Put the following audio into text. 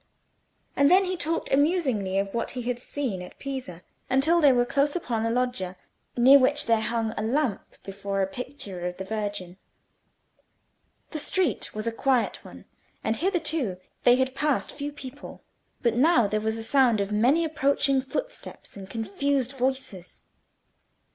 And then he talked amusingly of what he had seen at Pisa, until they were close upon a loggia, near which there hung a lamp before a picture of the Virgin. The street was a quiet one, and hitherto they had passed few people; but now there was a sound of many approaching footsteps and confused voices.